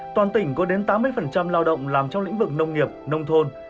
toàn tỉnh có đến tám mươi lao động làm trong lĩnh vực nông nghiệp nông thôn